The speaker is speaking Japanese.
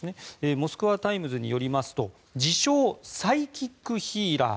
モスクワ・タイムズによりますと自称、サイキック・ヒーラー